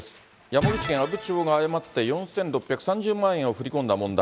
山口県阿武町が誤って４６３０万円を振り込んだ問題。